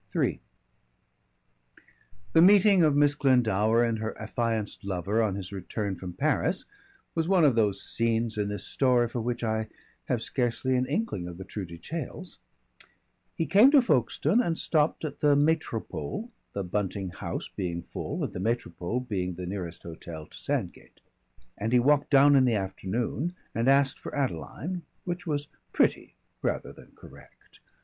III The meeting of Miss Glendower and her affianced lover on his return from Paris was one of those scenes in this story for which I have scarcely an inkling of the true details. He came to Folkestone and stopped at the Métropole, the Bunting house being full and the Métropole being the nearest hotel to Sandgate; and he walked down in the afternoon and asked for Adeline, which was pretty rather than correct.